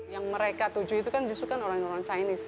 yang mereka tujuh itu kan justru orang orang chinese